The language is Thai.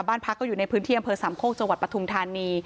บ้านพักก็อยู่ในพื้นที่อำเภอสามโคกจังหวัดปทุมธานี